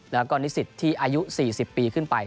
แล้วก็นิสิตที่อายุ๔๐ปีขึ้นไป